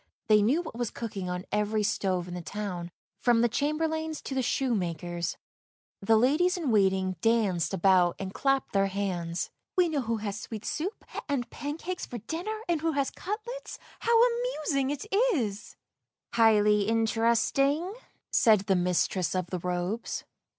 They knew what was cooking on every stove in the town, from the chamberlain's to the shoemaker's. The ladies in waiting danced about and clapped their hands. " We know who has sweet soup and pancakes for dinner, and who has cutlets; how amusing it is." THE SWINEHERD 363 " Highly interesting," said the mistress of the robes.